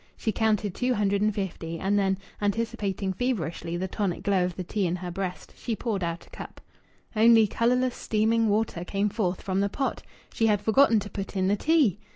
She counted two hundred and fifty, and then, anticipating feverishly the tonic glow of the tea in her breast, she poured out a cup. Only colourless steaming water came forth from the pot. She had forgotten to put in the tea!